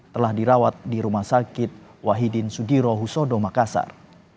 telah dirawat di rumah sakit wahidin sudirohusodo makassar